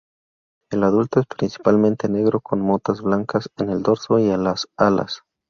El adulto es principalmente negro con motas blancas en el dorso y las alas.